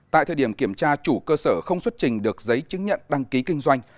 tại thời điểm kiểm tra chủ cơ sở không xuất trình được giấy chứng nhận đăng ký kinh doanh